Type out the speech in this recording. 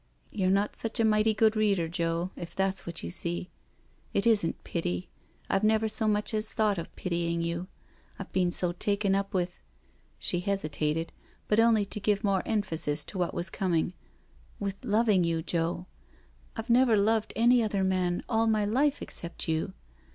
" You're not such a mighty good reader^ Joe, if that's what you see. It isn't pity — IVe never so much as thought of pitying you, I've been so taken up with "— she hesitated, but only to give more emphasis to what was coming —" with loving you, Joe. I've never loved any other man all my life except you.